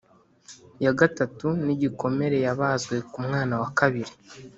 ya gatatu n’igikomere yabazwe ku mwana wa kabiri